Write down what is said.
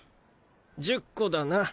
１０個だな。